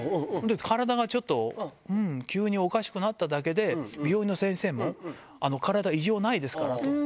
体がちょっと、うん、急におかしくなっただけで、病院の先生も体異常ないですからと。